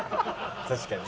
確かに。